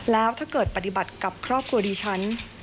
แล้วถ้าเกิดปฏิบัติกับครอบครัวดีฉัน